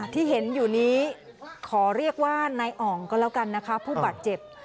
ที่เห็นอยู่นี้ขอเรียกว่านายอ่องก็แล้วกันนะคะผู้บาดเจ็บ